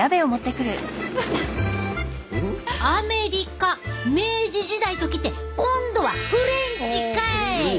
アメリカ明治時代と来て今度はフレンチかい！